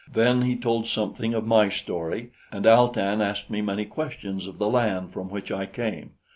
Then he told something of my story, and Al tan asked me many questions of the land from which I came.